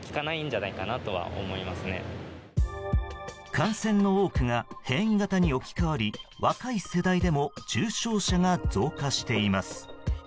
感染の多くが変異型に置き換わり若い世代でも重症者が増加しています。